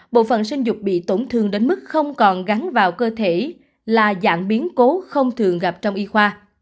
bộ phận sinh dục bị tổn thương đến mức không còn gắn vào cơ thể là dạng biến cố không thường gặp trong y khoa